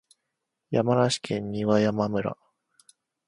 山梨県丹波山村